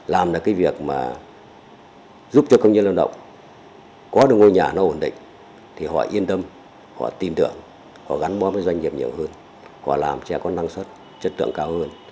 làm được cái việc mà giúp cho công nhân lao động có được ngôi nhà nó ổn định thì họ yên tâm họ tin tưởng họ gắn bó với doanh nghiệp nhiều hơn họ làm cho có năng suất chất lượng cao hơn